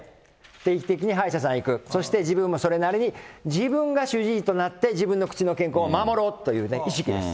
定期的に歯医者さん行く、それからそれなりに自分が主治医となって、自分の口の健康を守ろうという意識です。